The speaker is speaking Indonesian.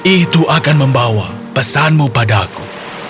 itu akan membawa pesanmu padaku